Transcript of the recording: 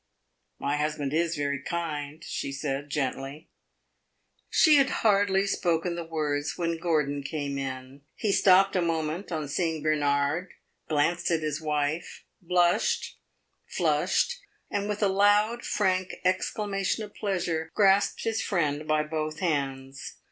"My husband is very kind," she said gently. She had hardly spoken the words when Gordon came in. He stopped a moment on seeing Bernard, glanced at his wife, blushed, flushed, and with a loud, frank exclamation of pleasure, grasped his friend by both hands.